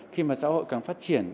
khi mà xã hội càng phát triển